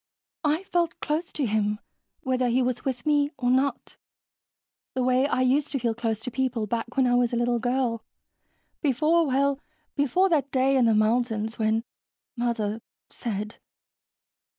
"I felt close to him, whether he was with me or not, the way I used to feel close to people back when I was a little girl, before ... well, before that day in the mountains ... when Mother said...."